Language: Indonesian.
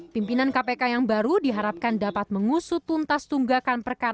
pimpinan kpk yang baru diharapkan dapat mengusut tuntas tunggakan perkara